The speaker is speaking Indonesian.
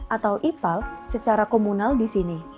atau ipal secara komunal di sini